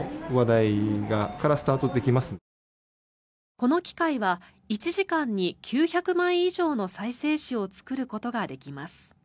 この機械は１時間に９００枚以上の再生紙を作ることができます。